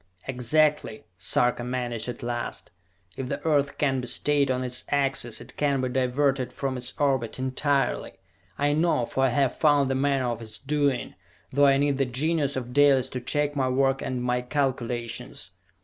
"Exactly!" Sarka managed at last. "If the Earth can be stayed on its axis, it can be diverted from its orbit entirely! I know, for I have found the manner of its doing, though I need the genius of Dalis to check my work and my calculations!